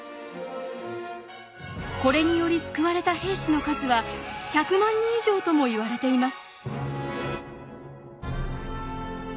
これにより救われた兵士の数は１００万人以上ともいわれています。